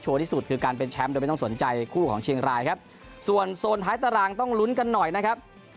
ที่สุดคือการเป็นแชมป์โดยไม่ต้องสนใจคู่ของเชียงรายครับส่วนโซนท้ายตารางต้องลุ้นกันหน่อยนะครับ